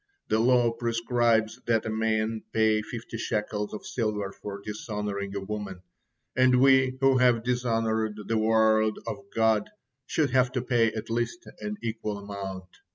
The law prescribes that a man pay fifty shekels of silver for dishonoring a woman, and we who have dishonored the word of God, should have to pay at least an equal amount.